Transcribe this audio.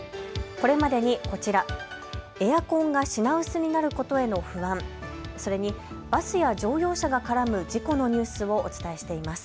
これまでにこちら、エアコンが品薄になることへの不安、それにバスや乗用車が絡む事故のニュースをお伝えしています。